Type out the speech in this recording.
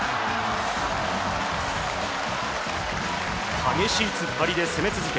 激しい突っ張りで攻め続け